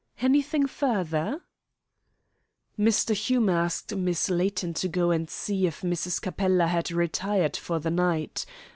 "Anything further?" "Mr. Hume asked Miss Layton to go and see if Mrs. Capella had retired for the night.